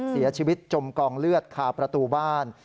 เสียชีวิตจมกองเลือดคาประตูบ้าน